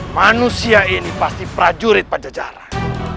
manusia ini pasti prajurit pajajaran